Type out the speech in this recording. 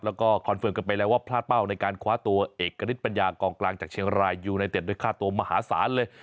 แล้วก็คอนเฟิร์มกันไปแล้วว่าพลาดเป้าในการคว้าตัวเอกณิตปัญญากองกลางจากเชียงรายยูไนเต็ดด้วยค่าตัวมหาศาลเลย